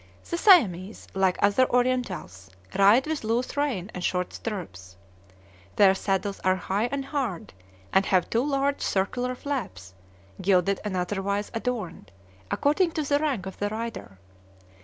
The Siamese, like other Orientals, ride with loose rein and short stirrups. Their saddles are high and hard, and have two large circular flaps, gilded and otherwise adorned, according to the rank of the rider.